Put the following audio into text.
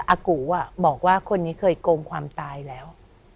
อากูบอกว่าคนนี้เคยโกงความตายแล้ว